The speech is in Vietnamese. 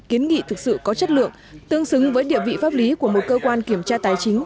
kiến nghị thực sự có chất lượng tương xứng với địa vị pháp lý của một cơ quan kiểm tra tài chính